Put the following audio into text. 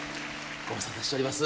ご無沙汰しちょります。